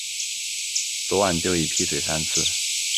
昨晚就已经劈腿三次